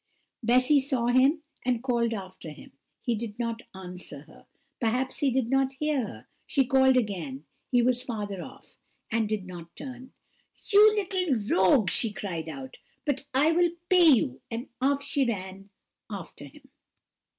Bessy saw him, and called after him; he did not answer her perhaps he did not hear her. She called again he was farther off, and did not turn. "You little rogue!" she cried out; "but I will pay you;" and off she ran after him.